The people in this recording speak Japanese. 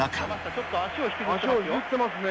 ちょっと足を引きずってますよ。